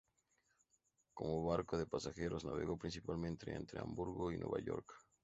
Como barco de pasajeros, navegó principalmente entre Hamburgo y Nueva York.